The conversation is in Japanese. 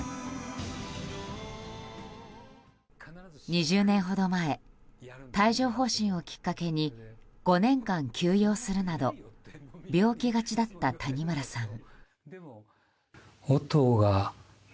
２０年ほど前帯状疱疹をきっかけに５年間、休養するなど病気がちだった谷村さん。